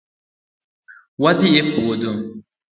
Wadhi e puodho